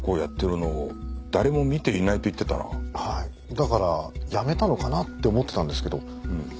だからやめたのかなって思ってたんですけど。